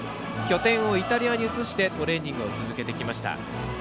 拠点をイタリアに移してトレーニングを続けてきました。